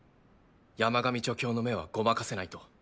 山上助教の目はごまかせないと。